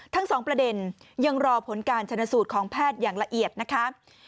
ทั้งสองประเด็นยังรอผลการชนะสูตรของแพทย์อย่างละเอียดนะคะ